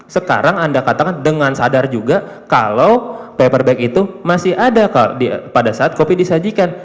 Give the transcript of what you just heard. sekarang anda katakan dengan sadar juga kalau paper bag itu masih ada pada saat kopi disajikan